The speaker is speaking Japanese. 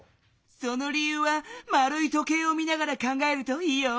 その理ゆうはまるい時計を見ながら考えるといいよ。